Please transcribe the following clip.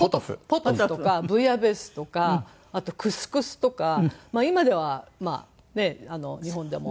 ポトフとかブイヤベースとかあとクスクスとか今ではねえ日本でも。